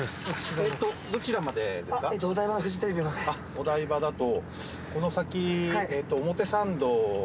お台場だと。